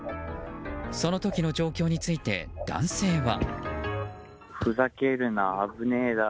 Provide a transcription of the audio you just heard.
その時の状況について、男性は。